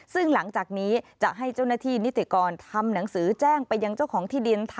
ซึ่งหลังจากนี้จะให้เจ้าหน้าที่นิติกรทำหนังสือแจ้งไปยังเจ้าของที่ดิน